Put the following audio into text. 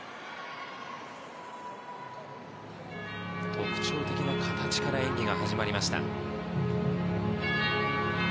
特徴的な形から演技が始まりました。